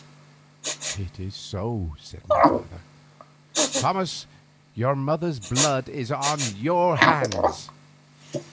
"It is so," said my father. "Thomas, your mother's blood is on your hands."